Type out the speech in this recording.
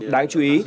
đáng chú ý